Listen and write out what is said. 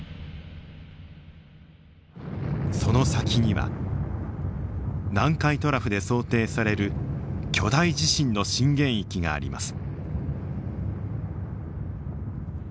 その先には南海トラフで想定される巨大地震の震源域があります。